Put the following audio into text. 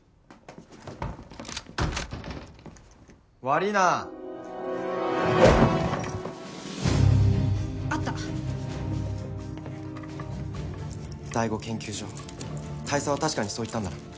悪いなあった第五研究所大佐は確かにそう言ったんだな